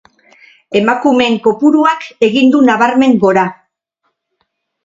Emakumeen kopuruak egin du nabarmen gora.